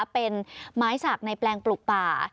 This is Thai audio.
เป็นไม้สักในแปลงปลูกป่า